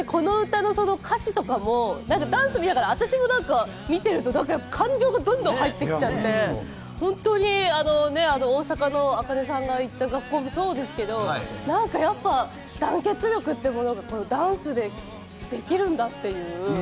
あらためて、この歌の歌詞とかもダンスを見ながら私も見ていると感情がどんどん入ってきちゃって、本当に大阪のａｋａｎｅさんが行った学校もそうですけど、やっぱ団結力というものがダンスでできるんだっていう。